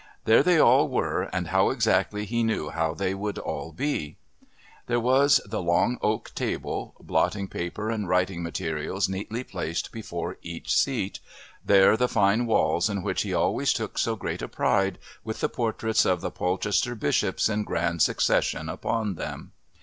There they all were and how exactly he knew how they would all be! There was the long oak table, blotting paper and writing materials neatly placed before each seat, there the fine walls in which he always took so great a pride, with the portraits of the Polchester Bishops in grand succession upon them.